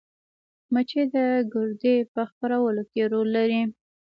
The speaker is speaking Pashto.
مچۍ د ګردې په خپرولو کې رول لري